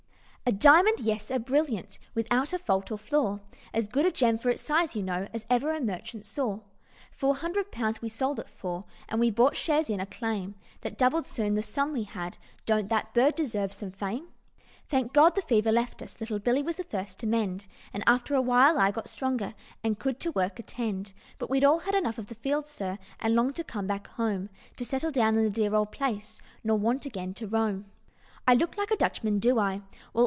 "A diamond? Yes! a brilliant, Without a fault or flaw, As good a gem, for its size, you know, As ever merchant saw. Four hundred pounds we sold it for, And we bought shares in a claim That doubled soon the sum we had: Don't that bird deserve some fame? "Thank God, the fever left us, Little Billy was first to mend; And after a while I got stronger, And could to work attend. But we'd all had enough of the Fields, sir, And longed to come back home; To settle down in the dear old place, Nor want again to roam. "I look like a Dutchman, do I? Well!